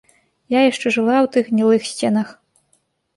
Я яшчэ жыла ў тых гнілых сценах.